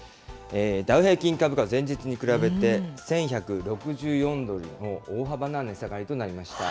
ダウ平均株価、前日に比べて、１１６４ドルの大幅な値下がりとなりました。